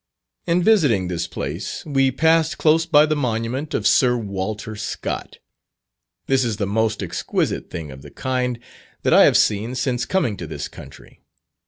In visiting this place, we passed close by the monument of Sir Walter Scott. This is the most exquisite thing of the kind that I have seen since coming to this country.